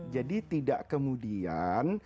jadi tidak kemudian